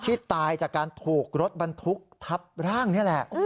ที่ตายจากการถูกรถบรรทุกทับร่างนี่แหละ